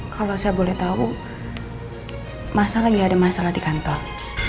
kalau saya boleh tahu masalah nggak ada masalah di kantor